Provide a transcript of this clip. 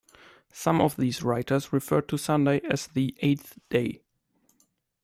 Some of these writers referred to Sunday as the "eighth day".